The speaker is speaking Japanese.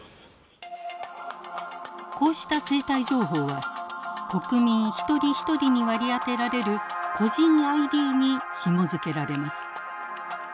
こうした生体情報は国民一人一人に割り当てられる個人ＩＤにひも付けられます。